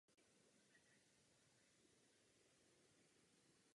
Mandát zastupitele města se mu však obhájit nepodařilo.